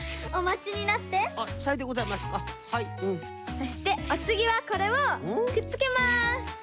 そしておつぎはこれをくっつけます。